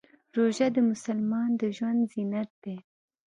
روژه د مسلمان د ژوند زینت دی.